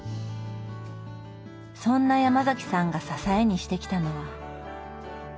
そんなヤマザキさんが支えにしてきたのは。